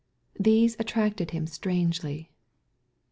These attracted him strangely.